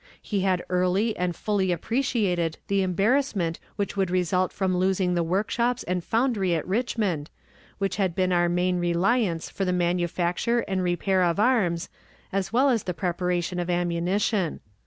He had early and fully appreciated the embarrassment which would result from losing the workshops and foundry at Richmond, which had been our main reliance for the manufacture and repair of arms as well as the preparation of ammunition.